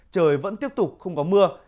trời vẫn tiếp tục không có mưa